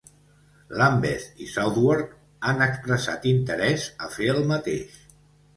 Lambeth i Southwark han expressat interès a fer el mateix.